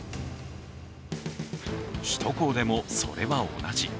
首都高でもそれは同じ。